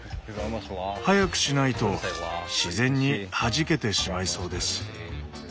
早くしないと自然にはじけてしまいそうです。